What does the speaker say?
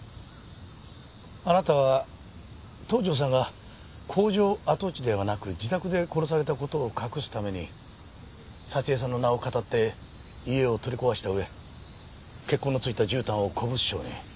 あなたは東条さんが工場跡地ではなく自宅で殺された事を隠すために沙知絵さんの名をかたって家を取り壊した上血痕の付いたじゅうたんを古物商に売った。